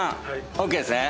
ＯＫですね。